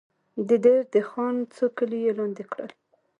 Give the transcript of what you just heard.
د دیر د خان څو کلي یې لاندې کړل.